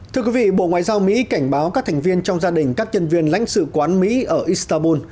thưa quý vị bộ ngoại giao mỹ cảnh báo các thành viên trong gia đình các nhân viên lãnh sự quán mỹ ở istanbul